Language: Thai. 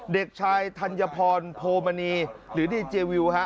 เด็กชายธัญพรโภมณีหรือดีเจอร์วิวครับ